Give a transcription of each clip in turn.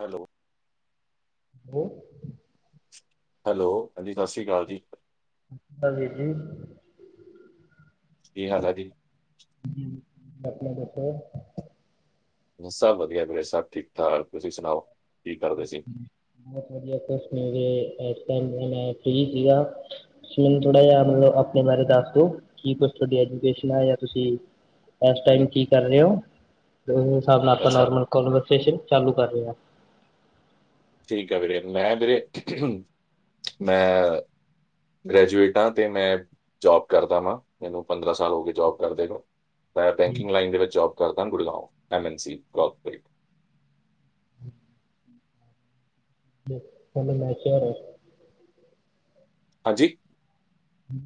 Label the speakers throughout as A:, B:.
A: Hello
B: ਉਹ
A: hello ਹਾਂਜੀ ਸਤਿ ਸ੍ਰੀ ਅਕਾਲ ਜੀ,
B: ਵੀਰ ਜੀ
A: ਕੀ ਹਾਲ ਆ ਜੀ,
B: ਹਮਨਾ ਦ
A: ਸਭ ਵਧੀਆ ਵੀਰੇ ਸਭ ਠੀਕ ਠਾਕ, ਤੁਸੀਂ ਸੁਣਾਓ? ਕੀ ਕਰਦੇ ਸੀ?
B: ਬਹੁਤ ਵਧੀਆ ਇਸ ਟਾਇਮ ਫ੍ਰੀ ਸੀਗਾ। ਤੁਸੀਂ ਮੈਨੂੰ ਥੋੜਾ ਜਿਹਾ ਮਤਲਬ ਆਪਣੇ ਬਾਰੇ ਦੱਸ ਦੋ ਕੀ ਕੁਛ ਤੁਹਾਡੀ ਐਜੂਕੇਸ਼ਨ ਆ ਜਾਂ ਤੁਸੀਂ, ਇਸ ਟਾਈਮ ਕੀ ਕਰ ਰਹੇ ਹੋ ਹਿਸਾਬ ਨਾਲ
A: ਅੱਛਾ
B: ਆਪਰ ਚਾਲੂ ਕਰ ਰਹੇ ਹਾਂ।
A: ਠੀਕ ਆ ਵੀਰੇ ਮੈਂ ਵੀਰੇ ਮੈਂ, ਗ੍ਰੈਜੂਏਟ ਹਾਂ ਤੇ ਮੈਂ ਜੋਬ ਕਰਦਾ ਵਾਂ ਮੈਨੂੰ ਪੰਦਰਾਂ ਸਾਲ ਹੋ ਕੇ ਜੋਬ ਕਰਦੇ ਨੂੰ, ਪਾਇਆ ਬੈਂਕਿੰਗ ਲਾਈਨ ਦੇ ਵਿੱਚ ਜੋਬ ਕਰਦਾ ਗੁੜਗਾਓ ਐੱਮਐਨਸੀ ਕਾਰਪੋਰੇਟ
B: ਹ ਹ ਮੈਸ਼ਰ
A: ਹਾਂਜੀ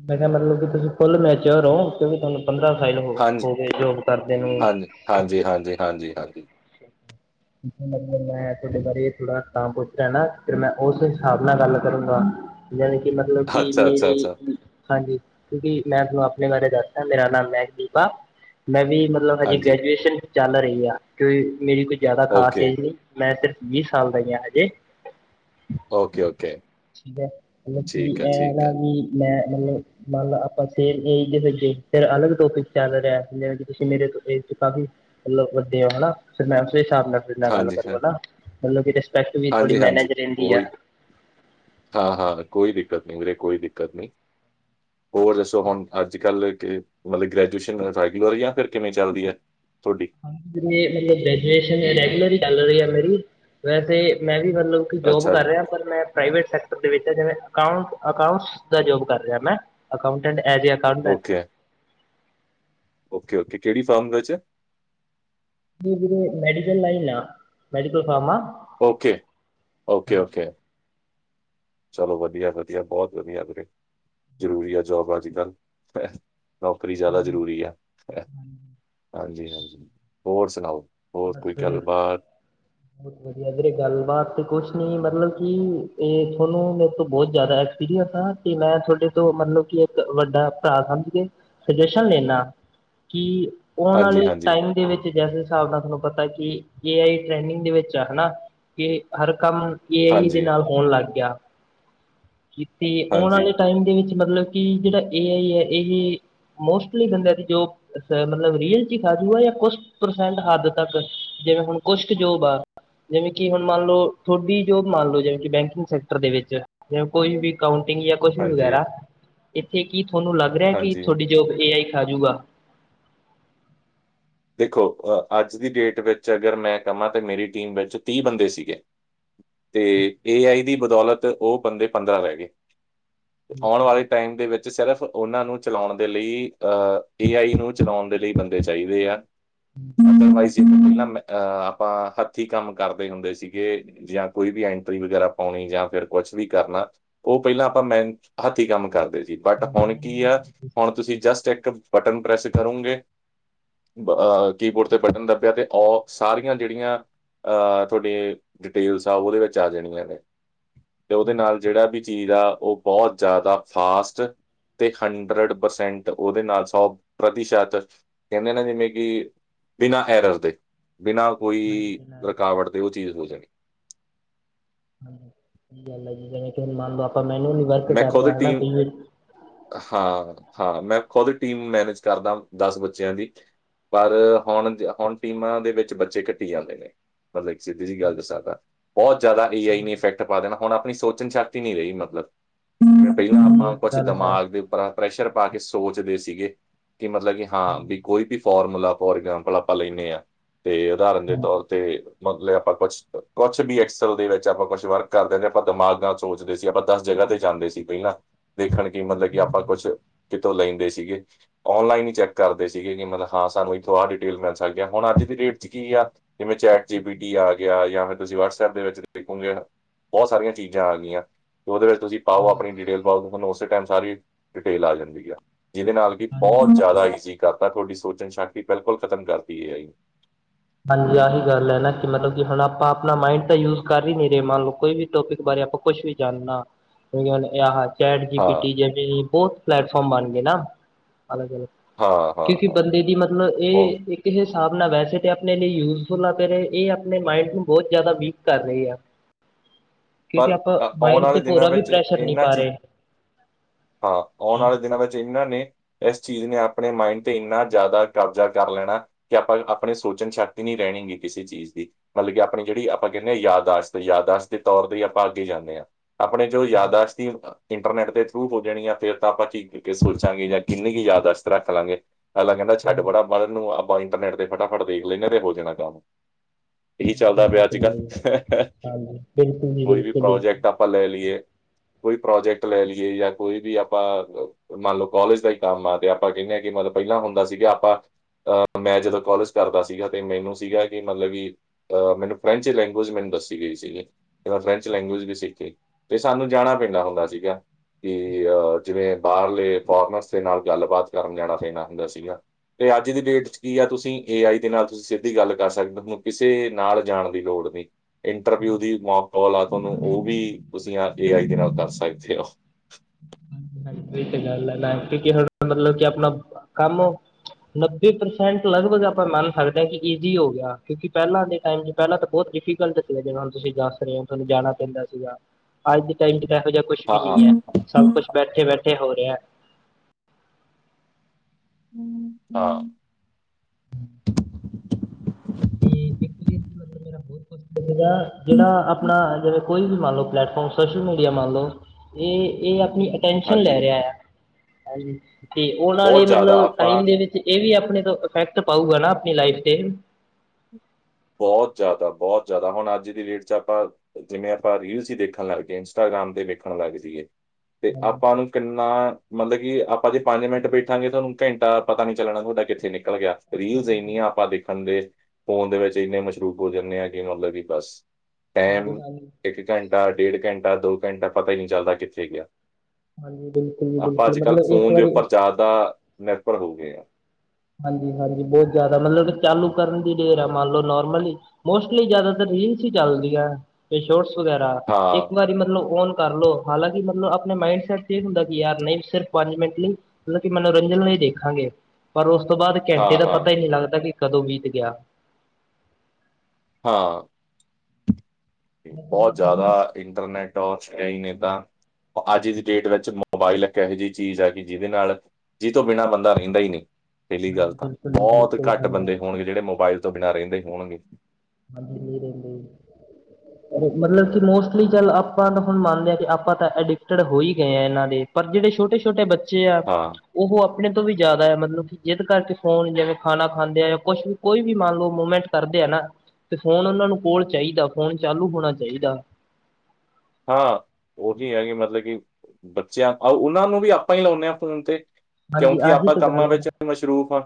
B: ਮੈਂ ਕਿਹਾ ਮਤਲਬ ਵੀ ਤੁਸੀਂ ਫੁੱਲ ਮੈਚਓਰ ਹੋ, ਪੰਦਰਾਂ ਸਾਲ
A: ਹਾਂਜੀ,
B: ਹੋਗੇ ਜੋਬ ਕਰਦੇ ਨੂੰ,
A: ਹਾਂਜੀ, ਹਾਂਜੀ, ਹਾਂਜੀ, ਹਾਂਜੀ, ਹਾਂਜੀ।
B: ਮੈਂ ਤੁਹਾਡੇ ਬਾਰੇ ਥੋੜਾ ਤਾਂ ਪੁੱਛ ਰਿਹਾ ਹਾ ਫਿਰ ਮੈਂ ਉਸ ਹਿਸਾਬ ਨਾਲ ਗੱਲ ਕਰੂੰਗਾ। ਜਾਣੀ ਕਿ ਮਤਲਬ ਕਿ
A: ਅੱਛਾ, ਅੱਛਾ,
B: ਮੇਰੇ
A: ਅੱਛਾ,
B: ਹਾਂਜੀ ਕਿਉਂਕਿ ਮੈਂ ਤੁਹਾਨੂੰ ਆਪ ਆਪਣੇ ਬਾਰੇ ਦੱਸਦਾ ਮੇਰਾ ਨਾਮ ਮਹਿਕਦੀਪ ਆ ਮੈਂ ਵੀ ਮਤਲਬ ਹਜੇ
A: ਹਾਂਜੀ,
B: ਗ੍ਰੈਜੂਏਸ਼ਨ, ਚੱਲ ਰਹੀ ਆ ਕਿ ਮੇਰੀ ਕੋਈ ਜ਼ਿਆਦਾ ਖਾਸ
A: ਓਕੇ,
B: ਏਜ ਨਹੀਂ ਮੈਂ ਸਿਰਫ ਵੀਹ ਸਾਲ ਦਾ ਗਿਆ ਹਜੇ,
A: ਓਕੇ, ਓਕੇ,
B: ਠੀਕ ਹੈ ਮਤਲਬ ਕੀ
A: ਠੀਕ ਹੈ, ਠੀਕ
B: ਇਹਦਾ
A: ਹੈ,
B: ਵੀ ਮੈਂ ਮਤਲਬ ਮਲਬ ਆਪਾਂ ਫਿਰ, ਇਹ ਜ ਫਰ ਅਲੱਗ ਟੋਪਿਕ ਚੱਲ ਰਿਹਾ ਜਿਵੇਂ ਕਿ, ਤੁਸੀਂ ਮੇਰੇ ਤੋਂ ਕਾਫੀ ਮਤਲਬ ਵੱਡੇ ਹੋ ਹਨਾ ਫਿਰ ਮੈਂ ਊਸੇ ਹਿਸਾਬ ਨਾਲ ਤੇਰੇ ਨਾਲ ਗੱਲ ਕਰੂੰਗਾ ਮਤਲਬ ਵੀਰੇ,
A: ਹਾਂਜੀ-ਹਾਂਜੀ ਕੋਈ ਹਾਂ ਹਾਂ ਕੋਈ ਵੀ ਕਿਧਰੇ ਕੋਈ ਦਿੱਕਤ ਨਹੀਂ, ਹੋਰ ਦੱਸੋ ਹੁਣ ਅੱਜ-ਕੱਲ੍ਹ ਕਿ ਮਤਲਬ ਗ੍ਰੈਜੂਏਸ਼ਨ ਰੈਗੂਲਰ ਜਾਂ ਫਿਰ ਕਿਵੇਂ ਚੱਲਦੀ ਹੈ। ਤੁਹਾਡੀ
B: ਹਾਂਜੀ ਮਤਲਬ ਗ੍ਰੈਜੂਏਸ਼ਨ ਰੈਗੂਲਰ ਚੱਲ ਰਹੀ ਹੈ ਮੇਰੀ ਵੈਸੇ ਮੈਂ ਮਤਲਬ ਕਿ ਜੋਬ
A: ਅੱਛਾ
B: ਕਰ
A: ਜੀ,
B: ਰਿਹਾ ਪਰ ਮੈਂ ਪ੍ਰਾਈਵੇਟ ਸੈਕਟਰ ਦੇ ਵਿੱਚ ਜਿਵੇਂ ਅਕਾਟ ਅਕਾਊਂਟਸ ਦਾ ਜੋਬ ਕਰ ਰਿਹਾ ਮੈਂ ਅਕਾਊਂਟੈਂਟ ਐਹੋ ਜਿਹਾ
A: ਓਕੇ ਓਕੇ ਓਕੇ, ਕਿਹੜੀ ਫਾਰਮ ਵਿਚ
B: ਵਰੇ medical line medical firm
A: okay okay okay, ਚਲੋ ਵਧੀਆ ਵਧੀਆ ਬਹੁਤ ਵਧੀਆ ਕਰੇ ਜ਼ਰੂਰੀ ਆ ਜੋਬ ਆ ਦੀ ਗੱਲ, ਨੌਕਰੀ ਜ਼ਿਆਦਾ
B: ਹਾਂਜੀ
A: ਜ਼ਰੂਰੀ ਆ ਹਾਂਜੀ-ਹਾਂਜੀ, ਹੋਰ ਸੁਣਾਓ? ਹੋਰ
B: ਬਸ
A: ਕੋਈ ਗੱਲਬਾਤ
B: ਬਹੁਤ ਵਧੀਆ ਗੱਲਬਾਤ ਤੇ ਕੁਛ ਮਤਲਬ ਕਿ ਇਹ ਤੁਹਾਨੂੰ ਮੇਰੇ ਤੋਂ ਬਹੁਤ ਜਿਆਦਾ ਐਕਸਪੀਰੀਅੰਸ ਆ ਤੇ ਮੈਂ ਤੁਹਾਡੇ ਤੋਂ ਮਤਲਬ ਕਿ, ਇੱਕ ਵੱਡਾ ਭਰਾ ਸਮਝ ਕੇ ਸੁਜੈਸ਼ਨ ਲੈਂਦਾ ਕਿ, ਆਉਣ
A: ਹਾਂਜੀ
B: ਵਾਲੇ
A: ਹਾਂਜੀ
B: ਟਾਈਮ ਦੇ ਵਿੱਚ ਜਿਸ ਹਿਸਾਬ ਨਾਲ ਤੁਹਾਨੂੰ, ਪਤਾ ਕਿ ਏ ਆਈ ਟ੍ਰੈਂਡਿੰਗ ਦੇ ਵਿੱਚ ਆ ਹਨਾ ਕਿ, ਹਰ ਕੰਮ ਏ ਆਈ ਦੇ
A: ਹਾਂਜੀ
B: ਨਾਲ ਹੋਣ ਲੱਗ ਗਿਆ। ਤੇ ਆਉਣ
A: ਹਾਂਜੀ
B: ਵਾਲੇ ਟਾਈਮ ਦੇ ਵਿੱਚ, ਮਤਲਬ ਕਿ ਜਿਹੜਾ ਇਹ ਏ ਹੀ ਏ ਇਹ ਜ ਮੋਸਟਲੀ ਬੰਦਿਆਂ ਦੀ ਜੋ ਮਤਲਬ ਰੀਅਲ'ਚ ਖਾਜੂਗਾ ਜਾਂ ਕੁਛ ਪਰਸੈਂਟ ਹੱਦ ਤੱਕ ਜਿਵੇਂ, ਹੁਣ ਕੁਛਕ ਜੋਬ ਆ ਜਿਵੇਂ ਕਿ, ਹੁਣ ਮੰਨ ਲਓ ਥੋਡੀ ਜੋਬ ਮੰਨ ਲਓ ਜਿਵੇਂ ਕਿ, ਬੈਂਕਿੰਗ ਸੈਕਟਰ ਦੇ ਵਿੱਚ ਜਿਵੇਂ ਕੋਈ ਵੀ ਕਾਉਂਟਿੰਗ ਜਾਂ ਕੁਛ ਵੀ,
A: ਹਾਂਜੀ
B: ਵਗੈਰਾ ਇੱਥੇ ਕੀ ਥੋਨੂੰ ਲੱਗ ਰਿਹਾ ਕਿ,
A: ਹਾਂਜੀ
B: ਤੁਹਾਡੀ ਜੋਬ ਏ ਆਈ ਖਾਜੂਗਾ?
A: ਦੇਖੋ, ਅ- ਅੱਜ ਦੀ ਡੇਟ ਵਿੱਚ ਅਗਰ ਮੈਂ ਕਮਾਂ ਤਾਂ ਮੇਰੀ ਟੀਮ ਵਿੱਚ ਤੀਹ ਬੰਦੇ ਸੀਗੇ। ਤੇ, ਏ ਆਈ ਦੀ ਬਦੌਲਤ ਉਹ ਬੰਦੇ ਪੰਦਰਾਂ ਰਹਿ ਗੇ। ਆਉਣ ਵਾਲੇ ਟਾਈਮ ਦੇ ਵਿੱਚ ਸਿਰਫ ਉਹਨਾਂ ਨੂੰ ਚਲਾਉਣ ਦੇ ਲਈ ਅਹ ''ਏ ਆਈ' ਨੂੰ ਚਲਾਉਣ ਦੇ ਲਈ ਬੰਦੇ ਚਾਹੀਦੇ ਆ। ਹੂੰ ਜ ਪਹਿਲਾਂ ਅਹ ਆਪਾਂ ਹੱਥੀਂ ਕੰਮ ਕਰਦੇ ਹੁੰਦੇ ਸੀਗੇ, ਜਾਂ ਕੋਈ ਵੀ ਐਂਟਰੀ ਵਗੈਰਾ ਪਾਉਣੀ ਜਾਂ ਫਿਰ ਕੁਛ ਵੀ ਕਰਨਾ ਉਹ ਪਹਿਲਾਂ ਆਪਾਂ ''ਮੈ ਹੱਥੀਂ ਕੰਮ ਕਰਦੇ ਸੀ। ਬਟ
B: ਹਾਂਜੀ
A: ਹੁਣ
B: ਮੈਨੂੰ
A: ਕੀ
B: ਵੀ
A: ਆ,
B: ਕਰਦੇ ਸੀ
A: ਹੁਣ ਤੁਸੀਂ ਜਸਟ ਇੱਕ 'ਬਟਨ ਪ੍ਰੈਸ ਕਰੋਂਗੇ ਅਹ ਕੀਬੋਰਡ ਤੇ ਬਟਨ ਦੱਬਿਆ ਤੇ, ਓ ਸਾਰੀਆਂ ਜਿਹੜੀਆਂ ਅਹ ਤੁਹਾਡੇ ਡਿਟੇਲਸ ਆ ਉਹਦੇ ਵਿੱਚ ਆ ਜਾਣੀਆਂ ਨੇ। ਤੇ, ਉਹਦੇ ਨਾਲ ਜਿਹੜਾ ਵੀ ਚੀਜ਼ ਆ, ਉਹ ਬਹੁਤ ਜ਼ਿਆਦਾ ਫਾਸਟ ਤੇ ਹੰਡਰਡ ਪਰਸੈਂਟ ਉਹਦੇ ਨਾਲ, ਸੌ-ਪ੍ਰਤੀਸ਼ਤ ਕਹਿੰਦੇ ਨੇ ਜਿਵੇਂ ਕਿ, ਬਿਨਾਂ ਐਰਰ ਦੇ ਬਿਨਾਂ
B: ਹਾਂਜੀ
A: ਕੋਈ
B: ਜਿਹੜਾ ਹਾਂਜੀ
A: ਰੁਕਾਵਟ ਦੇ ਉਹ ਚੀਜ਼ ਹੋ ਜਾਣੀ।
B: [unintelligible] ਮੰਨਲੋ ਆਪ ਮੈਨੂੰ ਨ ਨਹੀਂ ਵਰਕ
A: ਮੈਂ
B: ਕਰ
A: ਖੁਦ
B: ਰਿਹਾ ਹੈ
A: ਟੀਮ
B: ਕੋਈ
A: ਹਾਂ ਹਾਂ ''ਮੈਂ ਖੁਦ ਟੀਮ ਮੈਨੇਜ ਕਰਦਾ ਦਸ ਬੱਚਿਆਂ ਦੀ। ਪਰ, ਹੁਣ-ਹੁਣ ਟੀਮਾਂ ਦੇ ਵਿੱਚ ਬੱਚੇ ਘਟੀ ਜਾਂਦੇ ਨੇ। ਮਤਲਬ ਇੱਕ ਸਿੱਧੀ ਜੀ ਗੱਲ ਦੱਸਾਂ ਤਾਂ, ਬਹੁਤ ਜ਼ਿਆਦਾ ਏ ਆਈ ਨੇ ਇਫੈਕਟ ਪਾ ਦੇਣਾ ਹੁਣ ਆਪਣੀ ਸੋਚਣ ਸ਼ਕਤੀ ਨੀ ਰਹੀ ਮਤਲਬ, ਪਹਿਲਾਂ
B: ਹਾਂਜੀ
A: ਆਪਾਂ
B: ਇਹ ਤਾਂ
A: ਕੁਛ
B: ਗੱਲ ਹੈ
A: ਦਿਮਾਗ ਦੇ ਉੱਪਰ ਪ੍ਰੈਸ਼ਰ ਪਾਕੇ ਸੋਚਦੇ ਸੀਗੇ ਕਿ, ਮਤਲਬ ਕਿ, ਹਾਂ,
B: ਹਾਂਜੀ
A: ਵੀ ਕੋਈ ਵੀ ਫੋਰਮੂਲਾ ਫੋਰ ਇਗਜਾਮਪਲ ਆਪਾਂ ਲੈਂਦੇ ਹਾਂ ਤੇ ਉਦਾਹਰਨ ਦੇ
B: ਹਾਂਜੀ
A: ਤੌਰ ਤੇ ਮਤਲਬ ਆਪਾਂ ਕੁਛ-ਕੁਛ ਵੀ ਐਕਸਲ ਦੇ ਵਿੱਚ ਆਪਾਂ ਕੁਛ ਵਰਕ ਕਰਦੇ ਆ, ਆਪਾਂ ਦਿਮਾਗ ਨਾਲ ਸੋਚਦੇ ਸੀ। ਆਪਾਂ ਦਸ ਜਗ੍ਹਾ ਤੇ ਜਾਂਦੇ ਸੀ ਪਹਿਲਾਂ ਦੇਖਣ ਕੀ ਮਤਲਬ ਕਿ ਆਪਾਂ ਕੁਛ ਕਿਥੋਂ ਲੈਂਦੇ ਸੀਗੇ ਔਨਲਾਈਨ ਹੀ ਚੈੱਕ ਕਰਦੇ ਸੀਗੇ ਕਿ ਮਤਲਬ ਹਾਂ ਸਾਨੂੰ ਇਹ ਥੋੜ੍ਹਾ ਡਿਟੇਲ ਮਿਲ ਸਕਦੀ ਹੁਣ ਅੱਜ ਡੇਟ ਚ ਕੀ ਆ ਜਿਵੇਂ ਚੈਟ ਜੀ ਪੀ ਟੀ ਆ ਗਿਆ ਜਾਂ ਫਿਰ ਤੁਸੀਂ ਵਟਸਐਪ ਦੇ ਵਿੱਚ ਦੇਖੋਗੇ। ਬਹੁਤ ਸਾਰੀਆਂ ਚੀਜ਼ਾਂ ਆ ਗਈਆਂ ਉਹਦੇ ਵਿੱਚ ਤੁਸੀਂ ਪਾਓ ਆਪਣੀ ਡਿਟੇਲ ਪਾਓ ਥੋਨੂੰ ਉਸੇ ਟਾਈਮ ਸਾਰੀ ਡਿਟੇਲ ਆ ਜਾਂਦੀ ਆ। ਜਿਹਦੇ ਨਾਲ ਕਿ, ਬਹੁਤ ਜ਼ਿਆਦਾ ਈਜ਼ੀ ਕਰਤਾ ਤੁਹਾਡੀ ਸੋਚਣ ਸ਼ਕਤੀ ਬਿਲਕੁਲ ਖਤਮ ਕਰਦੀ ਏ ਆ
B: ਹਾਂਜੀ ਆਹੀ ਗੱਲ ਐਨਾ ਕਿ, ਮਤਲਬ ਕਿ ਹੁਣ ਆਪਾਂ ਆਪਣਾ ਮਾਈਂਡ ਤਾਂ ਯੂਜ ਕਰ ਹੀ ਨਹੀਂ ਰਹੇ, ਮੰਨ ਲਓ ਕੋਈ ਵੀ ਟੋਪਿਕ ਬਾਰੇ ਆਪਾਂ ਕੁੱਛ ਵੀ ਜਾਣਨਾ ਆ ''ਚੈਟ ਜੀ
A: ਹਾਂ
B: ਪੀਟੀ' ਬਹੁਤ ਪਲੈਟਫਾਰਮ ਬਣ ਗਏ ਨਾ। ਅਲੱਗ-ਅਲਗ
A: ਹਾਂ ਹਾਂ
B: ਕਿਉਂਕਿ
A: ਹਾਂ
B: ਬੰਦੇ ਦੀ ਮਤਲਬ
A: ਬਹੁਤ
B: ਇਹ ਇੱਕ ਹਿਸਾਬ ਨਾਲ ਵੈਸੇ ਤੇ, ਆਪ ਆਪਣੇ ਲਈ ਯੂਜਫੁਲ ਆਪੇ ਰਹੇ, ਇਹ ਆਪਣੇ ਮਾਇੰਡ ਨੂੰ ਬਹੁਤ ਜ਼ਿਆਦਾ ਵੀਕ ਕਰ ਰਹੇ ਆ।
A: ਪਰ
B: ਕਿਉਂਕਿ, ਆਪ
A: ਅ- ਆਉਣ
B: ਮਾਈੰਡ
A: ਵਾਲੇ
B: ਤੇ
A: ਦਿਨਾਂ
B: ਪੂਰਾ ਵੀ
A: ਵਿੱਚ
B: ਪ੍ਰੈਸ਼ਰ ਨਹੀਂ
A: ਇਹਨਾਂ
B: ਪਾ
A: ਚੀਜ਼ਾਂ
B: ਰਹੇ।
A: ਹਾਂ। ਆਉਣ
B: ਹਾਂਜੀ
A: ਵਾਲੇ ਦਿਨਾਂ ਵਿੱਚ ਇਹਨਾਂ ਨੇ ਇਸ ਚੀਜ਼ ਨੇ ਆਪ ਅਪਣੇ ਮਾਇੰਡ ਤੇ ਇੰਨਾ ਜ਼ਆਦਾ ਕਬਜ਼ਾ ਕਰ ਲੈਣਾ ਕਿ, ਆਪਾਂ ਅਪਣੇ ਸੋਚਣ ਸ਼ਕਤੀ ਨਹੀਂ ਰਹਿਣੀ ਗੀ ਕਿਸੇ ਚੀਜ਼ ਮਲਬ ਕਿ, ਆਪਣੀ ਜਿਹੜੀ ਆਪਾਂ ਕਹਿੰਨੇ ਆਂ ਯਾਦਾਸ਼ਤ ਯਾਦਾਸ਼ਤ ਤੌਰ ਤੇ, ਆਪਾਂ ਅੱਗੇ ਜਾਂਨੇ ਆਂ ਆਪਣੇ ਜੋ
B: ਹਾਂਜੀ
A: ਯਾਦਾਸ਼ਤੀ ''ਇੰਟਰਨੈਟ' ਦੇ ਥ੍ਰੂ ਹੋ ਜਾਣੀ ਆਂ ਫੇਰ ਤਾਂ, ਆਪਾਂ ਕੀ-ਕੀ ਸੋਚਾਂਗੇ, ਜਾਂ ਕਿੰਨੀ ਕੁ ਯਾਦਾਸ਼ਤ ਰੱਖ ਲਾਂਗੇ। ਪਹਿਲਾਂ ਕਹਿੰਦਾ ਛੱਡ
B: ਹਾਂਜੀ
A: ਪੜਾ ਮਗਰ ਨੂੰ, ਆਪਾਂ ਇੰਟਰਨੈੱਟ ਤੇ ਫਟਾਫਟ ਦੇਖ ਲੈਂਨੈ ਤੇ, ਹੋ ਜਾਣਾ ਕੰਮ। ਇਹੀ ਚੱਲਦਾ
B: ਹਾਂਜੀ,
A: ਪਿਆ
B: ਸਹੀ ਹੈ ਜੀ
A: ਅੱਜ-ਕੱਲ
B: ਹਾਂਜੀ ਬਿਲਕੁਲ ਜੀ
A: ਕੋਈ ਵੀ
B: ਬਿਲਕੁਲ ਜੀ
A: ਪ੍ਰੋਜੈਕਟ ਆਪਾਂ ਲੈ ਲੀਏ। ਕੋਈ ਪ੍ਰੋਜੈਕਟ ਲੈ ਲਈਏ ਯਾਂ, ਕੋਈ ਵੀ ਆਪਾਂ ਮੰਨ ਲਓ ਕਾਲਜ ਦਾ ਹੀ ਕੰਮ ਆ ਤੇ, ਆਪਾਂ ਕਹਿੰਨੇ ਆਂ ਕਿ ਮਤਲਬ ਪਹਿਲਾਂ ਹੁੰਦਾ ਸੀਗਾ ਆਪਾਂ ਅ ''ਮੈਂ ਜਦੋਂ ਕੋਲਜ ਕਰਦਾ ਸੀਗਾ ਤੇ, ਮੈਨੂੰ ਸੀਗਾ ਕਿ ਮਤਲਬ ਕਿ ਅ ਮੈਨੂੰ ਫਰੈਂਚ ਲੈਂਗੁਏਜ ਮੈਨੂੰ ਦੱਸੀ ਗਈ ਸੀਗੀ। ਮੈਂ ਫਰੈਂਚ ਲੈਂਗੁਏਜ ਵੀ ਸਿੱਖੀ ਤੇ ਸਾਨੂੰ ਜਾਣਾ ਪੈਂਦਾ ਹੁੰਦਾ ਸੀਗਾ। ਕਿ ਅ ਜਿਵੇਂ ਬਾਹਰਲੇ ਫੋਰਨਰਸ ਦੇ ਨਾਲ ਗੱਲਬਾਤ ਕਰਨ ਜਾਣਾ ਪੈਣਾ ਹੁੰਦਾ ਸੀਗਾ। ਤੇ ਅੱਜ ਦੀ ਡੇਟ ਚ ਕੀ ਆ ਤੁਸੀ ਏ ਆਈ ਦੇ ਨਾਲ ਤੁਸੀ ਸਿੱਧੀ ਗੱਲ ਕਰ ਸਕਦੇ ਹੋ ਤੁਹਾਨੂੰ ਕਿਸੇ ਨਾਲ ਜਾਣ ਦੀ ਲੋੜ ਇੰਟਰਵਿਊ ਦੀ ਫੋਨ ਕੋਲ ਆ ਤੁਹਾਨੂੰ ਓਹ ਵੀ ਤੁਸੀ ਅ ਏ ਆਈ ਦੇ ਨਾਲ ਕਰ ਸਕਦੇ ਹੋ।
B: ਹਾਂਜੀ ਇਹ ਤੇ ਗੱਲ ਹੈ ਨਾ ਕਿਉਂਕਿ ਹੁਣ ਮਤਲਬ ਕਿ ਅਪਣਾ ਕੰਮ ਨੱਬੇ ਪ੍ਰਸੈਂਟ ਲਗਭਗ ਆਪਾਂ ਮੰਨ ਸਕਦੇ ਹਾਂ ਕਿ ਈਜ਼ੀ ਹੋ ਗਿਆ ਕਿਉਂਕਿ ਪਹਿਲਾਂ ਦੇ ਟਾਈਮ ਚ ਪਹਿਲਾਂ ਤਾਂ ਬੋਤ ਡਿਫੀਕਲਟ ਸੀ ਜਿਵੇਂ ਹੁਣ ਤੁਸੀਂ ਦੱਸ ਰਹੇ ਹੋ ਤੁਹਾਨੂੰ ਜਾਣਾ ਪੈਂਦਾ ਸੀਗਾ ਅੱਜ ਦੇ ਟਾਈਮ ਚ ਐਹੋ ਜਿਹਾ ਕੁਛ ਵੀ
A: ਹਾਂ
B: ਨੀ ਹੈ ਸਭ
A: ਹਾਂ
B: ਕੁਛ ਬੈਠੇ ਬੈਠੇ ਹੋ ਰਿਹਾ ਐ
A: ਹਾਂ।
B: ਤੇ ਇੱਕ ਚੀਜ਼ ਮੇਰਾ ਜਿਹੜਾ ਆਪਣਾ ਜਿਵੇਂ ਕੋਈ ਵੀ ਮੰਨ ਲਓ ਪਲੈਟਫਾਰਮ ਸੋਸ਼ਲ ਮੀਡੀਆ ਮੰਨ ਲਓ ਏ ਏ। ਅਪਣੀ ਅਟੈਂਸ਼ਨ ਲੈ
A: ਹਾਂਜੀ
B: ਰਿਹਾ ਐ ਹਾਂਜੀ ਤੇ ਔ ਨਾਲੇ
A: ਬਹੁਤ ਜ਼ਿਆਦਾ
B: ਮਤਲਬ
A: ਆਪਾਂ
B: ਟਾਈਮ ਦੇ ਵਿੱਚ ਏਹ ਵੀ ਆ ਅਪਣੇ ਤੋ ਇਫੈਕਟ ਪਾਊਗਾ ਨਾ ਅਪਣੀ ਲਾਈਫ ਤੇ।
A: ਬੋਤ ਜਾਦਾ ਬਹੁਤ ਜਾਦਾ ਹੁਣ ਅੱਜ ਦੀ ਡੇਟ ਚ ਆਪਾਂ ਜਿਵੇਂ ਆਪਾਂ ਰੀਲਸ ਈ ਦੇਖਣ ਲੱਗ ਗਏ ਇੰਸਟਾ ਗਰਾਮ ਤੇ ਵੇਖਣ ਲੱਗ ਸੀਗੇ ਤੇ ਆਪਾਂ ਨੂੰ ਕਿੰਨਾ ਮਤਲਬ ਕਿ ਆਪਾਂ ਜੇ ਪੰਜ ਮਿੰਟ ਬੈਠਾਂਗੇ ਤੁਹਾਨੂੰ ਘੰਟਾ ਪਤਾ ਨੀ ਚੱਲਣਾ ਔਦਾ ਕਿਥੇ ਨਿਕ ਨਿਕਲ ਗਿਆ ਰੀਲਸ
B: ਹਾਂਜੀ ਬਿਲਕੁਲ
A: ਇੰਨੀਆਂ ਆਪਾਂ ਦੇਖਣ ਦੇ ਫੋਨ ਦੇ ਵਿੱਚ ਇੰਨੇ ਮਸ਼ਰੂਫ ਹੋ ਜਾਨੇ ਆਂ ਕਿ ਮਤਲਬ ਵੀ ਬਸ ਟਾਈਮ
B: ਹਾਂਜੀ ਹਾਂਜੀ
A: ਇੱਕ ਘੰਟਾ ਡੇਢ ਘੰਟ ਦੋ ਘੰਟਾ ਪਤਾ ਹੀ ਨਈ ਚੱਲਦਾ ਕਿੱਥੇ ਗਿਆ।
B: ਹਾਂਜੀ ਬਿਲਕੁਲ ਜੀ
A: ਆਪਾਂ
B: ਬਿਲਕੁਲ
A: ਅੱਜ ਕੱਲ
B: ਮਤਲਬ ਇੱਕ
A: ਫੋਨ ਦੇ
B: ਵਾਰੀ
A: ਉੱਪਰ ਜਾਦਾ ਨਿਰਪਰ ਹੋ ਗਏ ਹਾਂ।
B: ਹਾਂਜੀ-ਹਾਂਜੀ ਬੋਤ ਜਾਦਾ ਮਤਲਬ ਚਾਲੂ ਕਰਨ ਦੀ ਦੇੇਰ ਹੈ ਮੰਨ ਲਓ ਨੋਰਮਲੀ ਮੋਸਟਲੀ ਜ਼ਿਆਦਾਤਰ ਰੀਲਸ ਈ ਚੱਲਦੀ ਹੈ ਤੇ ਸ਼ੋਰਟਸ ਵਗੈਰਾ ਇੱਕ
A: ਹਾਂ,
B: ਵਾਰੀ ਮਤਲਬ ਓਨ ਕਰ ਲਓ ਹਾਲਾਂਕਿ ਮਤਲਬ ਅਪਣੇ ਮਾਈੰਡਸੈਟ ਚ ਏ ਹੁੰਦਾ ਕਿ ਯਾਰ ਨਹੀਂ ਸਿਰਫ ਪੰਜ ਮਿੰਟ ਲਈ ਮਤਲਬ ਕਿ ਮਨੋਰੰਜਨ ਲਈ ਦੇਖਾਂਗੇ। ਪਰ ਓਸ ਤੋਂ ਬਾਅਦ ਘੰਟੇ
A: ਹਾਂ,
B: ਦਾ ਪਤਾ
A: ਹਾਂ,
B: ਹੀ ਨਹੀਂ ਲੱਗਦਾ ਕਿ ਕਦੋਂ ਬੀਤ ਗਿਆ।
A: ਹਾਂ। ਬੋਤ ਜ਼ਆਦਾ ਇੰਟਰਨੈਟ ਔਰਚ ਹੈ ਇਨੇ ਤਾਂ। ਅੱਜ ਦੀ ਡੇਟ ਵਿੱਚ ਮੋਬਾਇਲ ਇਕ ਏਹੋ ਜੀ ਚੀਜ਼ ਹੈ, ਕਿ ਜਿਹਦੇ ਨਾਲ ਜਿਹਤੋਂ ਬਿਨਾਂ ਬੰਦਾ ਰਹਿੰਦਾ ਈ ਨਈ। ਪਹਿਲੀ ਗੱਲ
B: ਹਾਂਜੀ
A: ਤਾਂ
B: ਬਿਲਕੁਲ ਜੀ
A: ਬਹੁਤ
B: ਬਿਲਕੁਲ
A: ਘੱਟ
B: ਹਾਂਜੀ
A: ਬੰਦੇ ਹੋਣਗੇ ਜਿਹੜੇ ਮੋਬਾਇਲ ਤੋਂ ਬਿਨਾਂ ਰਹਿੰਦੇ ਹੋਣਗੇ।
B: ਹਾਂਜੀ ਨਹੀਂ ਰਹਿੰਦੇ ਪਰ
A: ਹਾਂ,
B: ਮਤਲਬ ਕਿ ਮੋਸਟਲੀ ਚੱਲ ਆਪ ਆਪਾਂ ਤਾਂ ਹੁਣ ਮੰਨ ਲਿਆ ਕਿ ਆਪਾਂ ਤਾਂ ਅਡਿਕਟਿਡ ਹੋ ਹੀ ਗਏ ਹਾਂ ਇਹਨਾਂ ਦੇ ਪਰ ਜਿਹੜੇ ਛੋਟੇ-ਛੋਟੇ ਬੱਚੇ ਚੇ ਆ
A: ਹਾਂ,
B: ਉਹ ਆਪਣੇ ਤੋਂ ਵੀ ਜਿਆਦਾ ਮਤਲਬ ਕਿ ਜਿਦ ਕਰਕੇ ਫੋਨ ਜਿਵੇਂ ਖਾਣਾ ਖਾਂਦੇ ਆ ਯਾਂ ਕੁਛ ਵੀ ਕੋਈ ਵੀ ਮੰਨ ਲਓ ਮੂਮੈਂਟ ਕਰਦੇ ਆ ਨਾ। ਤੇ ਫੋਨ ਓਨਾਂ ਨੂੰ ਕੋਲ ਚਾਹੀਦਾ ਫੋਨ ਚਾਲੂ ਹੋਣਾ ਚਾਹੀਦਾ।
A: ਹਾਂ ਓਹੀ ਹੈ ਕਿ ਮਤਲਬ ਕਿ ਬੱਚੇਆਂ ਓਨਾਂ ਨੂੰ ਵੀ ਆਪਾਂ ਹੀ ਲਾਉਂਨੇ ਆਂ ਫੋਨ ਤੇ।
B: ਹਾਂਜੀ
A: ਕਿਉਂਕਿ
B: ਆਹੀ
A: ਆਪਾਂ
B: ਤਾਂ
A: ਕੰਮਾਂ
B: ਗੱਲ ਆ
A: ਵਿੱਚ ਮਸ਼ਰੂਫ ਹਾਂ।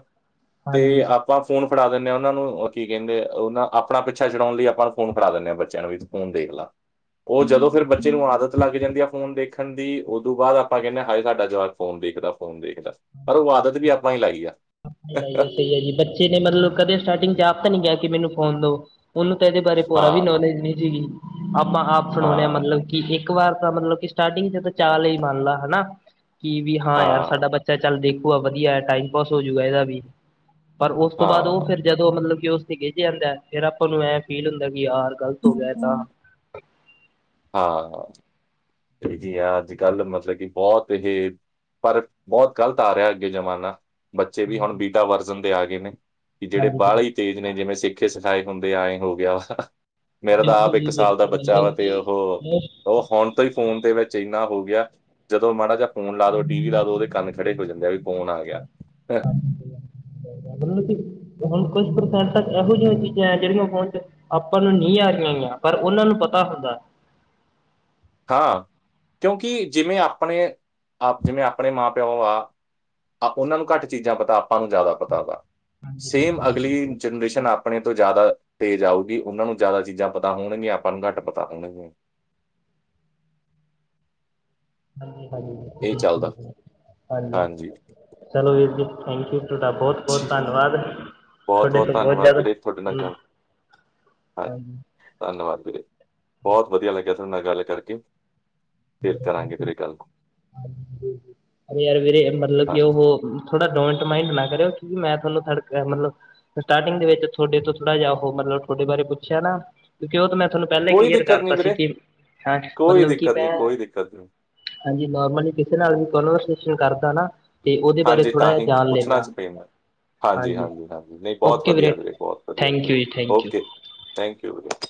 A: ਤੇ
B: ਹਾਂਜੀ
A: ਆਪਾਂ ਫੋਨ ਫੜਾ ਦਿੰਨੇ ਆਂ ਓਨਾਂ ਨੂੰ ਕੀ ਕਹਿੰਦੇ ਉਹਨਾਂ ਆਪਣਾ ਪਿੱਛਾ ਛੜਾਉਣ ਲਈ ਆਪਾਂ ਨੂੰ ਫੋਨ ਕਰਾ ਦਿੰਦੇ ਹਾਂ ਬੱਚਿਆਂ ਨੂੰ ਵੀ ਫੋਨ ਦੇਖ ਲਾ ਉਹ ਜਦੋਂ ਫਿਰ ਬੱਚੇ ਨੂੰ ਆਦਤ ਲੱਗ ਜਾਂਦੀ ਹੈ ਫੋਨ ਦੇਖਣ ਦੀ ਉਦੋਂ ਬਾਅਦ ਆਪਾਂ ਕਹਿੰਦੇ ਹਏ ਸਾਡਾ ਜਵਾਕ ਫੋਨ ਦੇਖਦਾ ਫੋਨ ਦੇਖ
B: ਸਹੀ ਹੈ ਜੀ ਬੱਚੇ ਨੇ ਮਤਲਬ ਕਦੇ ਸਟਾਰਟਿੰਗ ਚਾਰ ਗਿਆ ਕਿ ਮੈਨੂੰ ਫੋਨ ਦਓ ਉਹਨੂੰ ਤਾਂ ਇਹਦੇ ਬਾਰੇ ਪੂਰਾ ਵੀ
A: ਹਾਂ
B: ਨੌਲੇਜ ਨਹੀਂ ਸੀਗੀ। ਆਪਾਂ ਆਪ ਸੁਣਾਉਦੇ ਆ
A: ਹਾਂ
B: ਮਤਲਬ ਕਿ ਇੱਕ ਵਾਰ ਤਾਂ ਮਤਲਬ ਕਿ ਸਟਾਰਟਿੰਗ ਚ ਤਾਂ ਚਾਲ ਹੀ ਮੰਨ ਲਾ ਹਨਾ। ਕੀ ਵੀ ਹਾਂ ਯਾਰ ਸਾਡਾ ਬੱਚਾ ਚੱਲ ਦੇਖੂਗਾ ਵਧੀਆ ਟਾਈਮ ਪਾਸ ਹੋਜੂਗਾ ਇਹਦਾ ਵੀ ਪਰ ਉਸ ਤੋਂ ਬਾਅਦ ਉਹ
A: ਹਾਂ
B: ਫਿਰ ਜਦੋਂ ਮਤਲਬ ਕਿ ਉਸ ਤੇ ਗਿੱਜੇ ਜਾਂਦਾ ਫੇਰ ਆਪਾਂ ਨੂੰ ਐ ਫੀਲ ਹੁੰਦਾ ਯਾਰ ਗ਼ਲਤ ਹੋ ਗਿਆ ਐ ਤਾਂ
A: ਹਾਂ ਬੀਜੀ ਆ ਅੱਜ ਕੱਲ੍ਹ ਮਤਲਬ ਕਿ ਬਹੁਤ ਇਹ ਪਰ ਬਹੁਤ ਗ਼ਲਤ ਆ ਰਿਹਾ ਅੱਗੇ ਜ਼ਮਾਨਾ। ਬੱਚੇ ਵੀ ਹੁਣ ਬੀਟਾ ਵਰਜਨ ਦੇ ਆ ਗਏ ਨੇ, ਕਿ ਜਿਹੜੇ
B: ਹਾਂਜੀ ਹਾਂਜੀ
A: ਬਾਹਲੇ ਹੀ ਤੇਜ਼ ਨੇ ਜਿਵੇਂ ਸਿੱਖੇ ਸਿ ਆਏਂ ਹੁੰਦੇ ਆ ਆਏਂ ਹੋ ਗਿਆ ਵਾ ਮੇਰਾ ਤਾਂ ਆਪ
B: ਬਿਲਕੁਲ
A: ਇੱਕ
B: ਜੀ
A: ਸਾਲ ਦਾ
B: ਬਿਲਕੁਲ
A: ਬੱਚਾ ਵਾ
B: ਮਤਲਬ
A: ਤੇ
B: ਕਿ ਮੋਸਟ
A: ਉਹ-ਉਹ ਫੋਨ ਫੋਨ ਦੇ ਵਿੱਚ ਇੰਨਾ ਹੋ ਗਿਆ ਜਦੋਂ ਮਾੜਾ ਜਾ ਫੋਨ ਲਾ ਦੋ ਟੀ ਵੀ ਲਾ ਦੋ ਉਹਦੇ ਕੰਨ ਖੜੇ ਹੋ ਜਾਂਦੇ ਆ ਵੀ ਫ਼ੋਨ ਆ ਗਿਆ।
B: [unintelligible] ਇਹੋ ਜਿਹੀਆਂ ਚੀਜ਼ਾਂ ਹੈ ਜਿਹੜੀਆਂ ਫੋਨ ਚ ਆਪਾਂ ਨੂੰ ਨਹੀਂ ਆ ਰਹੀਆਂ ਪਰ ਉਹਨਾਂ ਨੂੰ ਪਤਾ ਹੁੰਦਾ। [inaudible]
A: ਹਾਂ ਕਿਉਂਕਿ ਜਿਵੇਂ ਆਪਣੇ ਆਪ ਜਿਵੇਂ ਆਪਣੇ ਮਾਂ ਪਿਓ ਆ ਆਪਾਂ ਉਹਨਾਂ ਨੂੰ ਘੱਟ ਚੀਜ਼ਾਂ ਪਤਾ ਆਪਾਂ ਨੂੰ ਜ਼ਿਆਦਾ ਪਤਾ ਵਾ
B: ਹਾਂਜੀ
A: ਸੇਮ
B: ਬਿਲਕੁਲ ਜੀ
A: ਅਗਲੀ
B: ਬਿਲਕੁਲ
A: ਜਨਰੇਸ਼ਨ ਆਪ ਆਪਣੇ ਤੋਂ ਜ਼ਿਆਦਾ ਤੇਜ਼ ਆਊਗੀ ਉਹਨਾਂ ਨੂੰ ਜ਼ਿਆਦਾ ਚੀਜ਼ਾਂ ਪਤਾ ਹੋਣਗੀਆਂ, ਆਪਾਂ ਨੂੰ ਘੱਟ ਪਤਾ ਹੋਣਗੀਆਂ।
B: [inaudible]
A: ਇਹ ਚੱਲਦਾ
B: ਹਾਂਜੀ-ਹਾਂਜੀ-ਹਾਂਜੀ
A: ਹਾਂਜੀ
B: ਚਲੋ ਵੀਰ ਜੀ ਥੈਂਕਯੂ। ਥੋਡਾ ਬਹੁਤ-ਬਹੁਤ
A: ਜੀ,
B: ਧੰਨਵਾਦ ਥੋਡੇ ਤੋਂ ਬਹੁਤ ਜ਼ਿਆਦਾ
A: ਆ
B: ਹਾਂਜੀ
A: ਧੰਨਵਾਦ ਬਹੁਤ ਵਧੀਆ ਲੱਗਿਆ ਥੋਡੇ ਨਾਲ ਗੱਲ ਕਰਕੇ, ਫੇਰ ਕਰਾਂਗੇ ਵੀਰੇ ਗੱਲ।
B: ਅ ਯਾਰ ਵੀਰੇ ਮਤਲਬ ਕਿ
A: ਹਾਂਜੀ
B: ਉਹ ਥੋੜਾ ਡੋਂਟ ਮਾਈੰਡ ਨਾ ਕਰਿਓ ਕਿਉਂਕਿ ਮੈਂ ਤੁਹਾਨੂੰ ਮਤਲਬ ਸਟਾਟਿੰਗ ਵਿੱਚ ਥੋਡੇ ਤੋਂ ਥੋੜਾ ਜਿਹਾ ਉਹ ਮਤਲਬ ਥੋਡੇ ਬਾਰੇ ਪੁੱਛਿਆ ਨਾ। ਕਿਉਂਕਿ ਉਹ ਤਾਂ ਮੈਂ ਤੁਹਾਨੂੰ ਪਹਿਲਾਂ ਹੀ
A: ਕੋਈ
B: ਕਲੀਅਰ
A: ਦਿੱਕਤ
B: ਕਰਤਾ
A: ਨਹੀਂ
B: ਸੀ,
A: ਵੀਰੇ
B: ਕਿ ਹਾਂ
A: ਕੋਈ
B: ਮਤਲਬ ਕਿ
A: ਦਿੱਕਤ ਨਹੀਂ
B: ਮੈਂ
A: ਕੋਈ ਦਿੱਕਤ ਨਹੀਂ
B: ਹਾਂਜੀ ਨੋਰਮਲੀ ਕਿਸੇ ਨਾਲ ਵੀ ਕਨਵਰਸੇਸ਼ਨ ਕਰਦਾ ਨਾ ਤੇ ਉਹਦੇ ਬਾਰੇ ਥੋੜ੍ਹਾ ਜਿਹਾ ਜਾਣ ਲੈਂਨਾ।
A: ਹਾਂਜੀ-ਹਾਂਜੀ-ਹਾਂਜੀ ਨਹੀਂ ਬਹੁਤ ਵਧੀਆ ਵੀਰੇ ਬਹੁਤ ਵਧੀਆ
B: ਥੈਂਕ ਯੂ
A: ਫੇਰ
B: ਜੀ thank you
A: okay. Thank you ਵੀਰੇ।